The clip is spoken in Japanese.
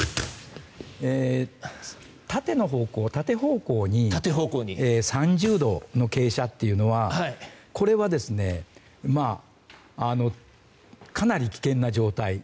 縦方向に３０度の傾斜というのはかなり危険な状態。